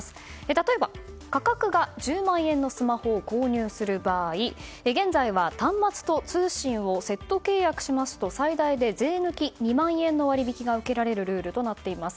例えば価格が１０万円のスマホを購入する場合現在は端末と通信をセット契約しますと最大で税抜き２万円の割引が受けられるルールとなっています。